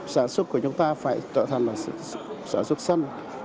sản xuất của chúng ta phải trở thành sản xuất xanh